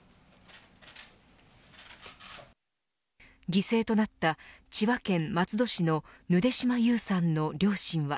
犠牲となった千葉県松戸市のぬで島優さんの両親は。